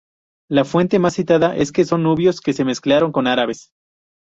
La fuente más citada es que son nubios que se mezclaron con árabes.